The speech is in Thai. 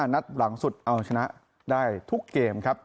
นัดหลังสุดเอาชนะได้ทุกเกมครับ